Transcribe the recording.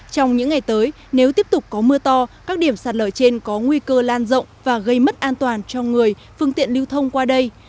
trong những ngày tới nếu tiếp tục có mưa to các điểm sạt lở trên có nguy cơ lan rộng và gây mất an toàn cho người phương tiện lưu thông qua đây